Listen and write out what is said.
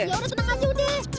ya udah tenang aja udah